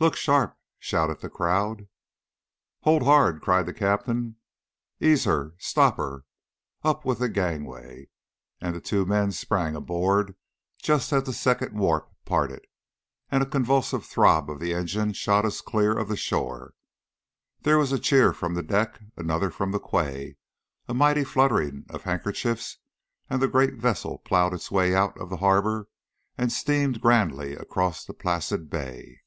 "Look sharp!" shouted the crowd. "Hold hard!" cried the captain. "Ease her! stop her! Up with the gangway!" and the two men sprang aboard just as the second warp parted, and a convulsive throb of the engine shot us clear of the shore. There was a cheer from the deck, another from the quay, a mighty fluttering of handkerchiefs, and the great vessel ploughed its way out of the harbour, and steamed grandly away across the placid bay.